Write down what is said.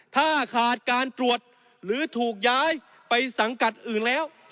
ถ้าขาดการตรวจหรือถูกย้ายไปสังกัดอื่นแล้ว